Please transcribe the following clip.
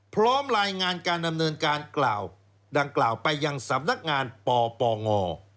พร้อมรายงานการดำเนินการกล่าวดังกล่าวไปยังสำนักงานปปง